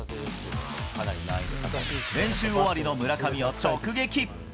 練習終わりの村上を直撃。